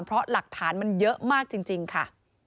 เพราะหลักฐานมันเยอะมากจริงค่ะ